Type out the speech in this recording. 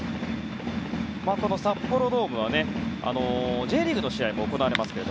この札幌ドームはＪリーグの試合も行われます。